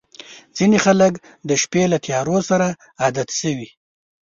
• ځینې خلک د شپې له تیارو سره عادت شوي.